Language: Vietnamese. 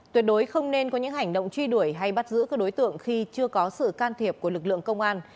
tuyệt đối không nên có những hành động truy đuổi hay bắt giữ các đối tượng khi chưa có sự can thiệp của lực lượng công an